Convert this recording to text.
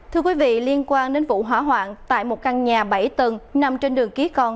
thưa quý vị liên quan đến vụ hỏa hoạn tại một căn nhà bảy tầng nằm trên đường ký con